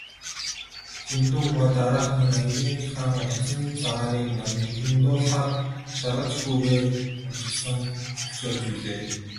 Лхүндэв гуай дараахан нь ангийнхаа улцан цагааныг малиндуулахаар шаргач гүүгээ уначихсан хөтөлж явж билээ.